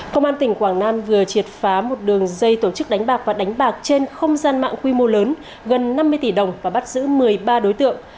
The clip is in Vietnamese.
công an tỉnh quảng nam vừa triệt phá một đường dây tổ chức đánh bạc và đánh bạc trên không gian mạng quy mô lớn gần năm mươi tỷ đồng và bắt giữ một mươi ba đối tượng